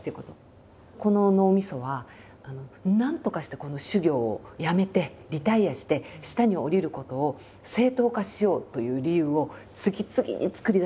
この脳みそはなんとかしてこの修行をやめてリタイアして下に下りることを正当化しようという理由を次々に作り出すんですよ。